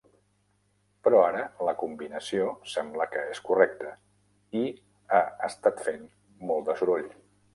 Però ara la combinació sembla que és correcta i ha estat fent molt de soroll.